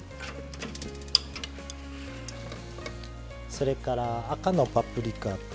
それから赤のパプリカと。